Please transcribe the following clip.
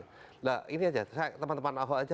nah ini aja teman teman awal aja